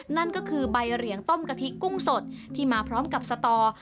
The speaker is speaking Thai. นั่นก็คือใบเหรียงต้มกะทิกุ้งสดที่มาพร้อมกับสตอ